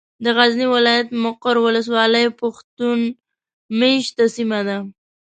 د غزني ولايت ، مقر ولسوالي پښتون مېشته سيمه ده.